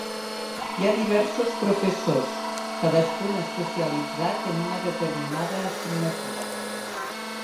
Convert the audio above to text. Hi ha diversos professors, cadascun especialitzat en una determinada assignatura.